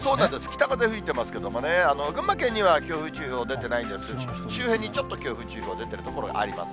北風吹いてますけどね、群馬県には強風注意報出てないんですが、周辺にちょっと強風注意報出ている所があります。